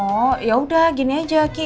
oh ya udah gini aja ki